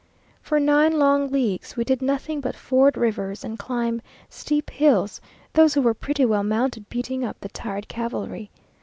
For nine long leagues, we did nothing but ford rivers and climb steep hills, those who were pretty well mounted beating up the tired cavalry.